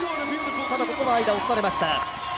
ただここは、間を突かれました。